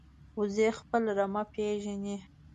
وزې خپل رمه پېژني